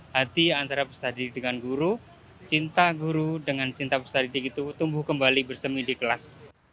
hati antara peserta didik dengan guru cinta guru dengan cinta peserta didik itu tumbuh kembali bersemi di kelas